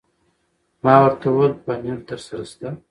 ما ورته وویل: پنیر درسره شته؟